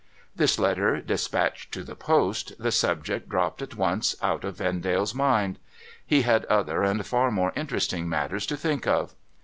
This letter despatched to the post, the subject dropped at once out of Vendale's mind. He had other and far more interesting matters to think of.